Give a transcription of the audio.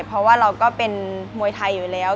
เพราะว่าเราก็เป็นมวยไทยอยู่แล้ว